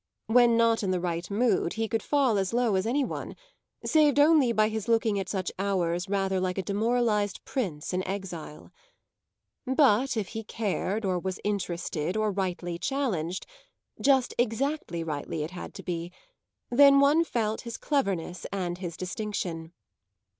When not in the right mood he could fall as low as any one, saved only by his looking at such hours rather like a demoralised prince in exile. But if he cared or was interested or rightly challenged just exactly rightly it had to be then one felt his cleverness and his distinction.